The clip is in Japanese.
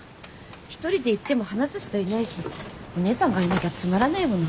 １人で行っても話す人いないしお姉さんがいなきゃつまらないもの。